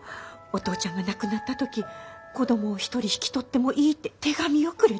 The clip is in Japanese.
お父ちゃんが亡くなった時子供を１人引き取ってもいいって手紙をくれた。